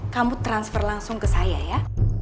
kamu transfer langsung ke saya ya